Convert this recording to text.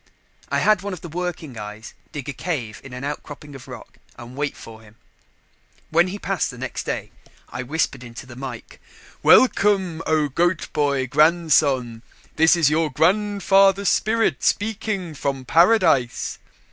I had one of the working eyes dig a cave in an outcropping of rock and wait for him. When he passed next day, I whispered into the mike: "Welcome, O Goat boy Grandson! This is your grandfather's spirit speaking from paradise."